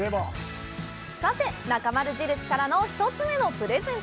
さて、なかまる印からの１つ目のプレゼント！